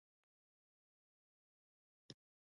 د بدن د پوستکي د نرمولو لپاره د شیدو حمام وکړئ